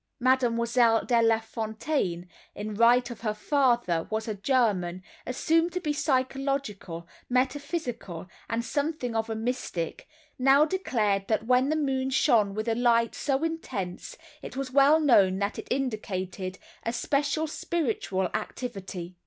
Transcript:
Mademoiselle De Lafontaine—in right of her father who was a German, assumed to be psychological, metaphysical, and something of a mystic—now declared that when the moon shone with a light so intense it was well known that it indicated a special spiritual activity.